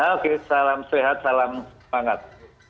oke salam sehat salam semangat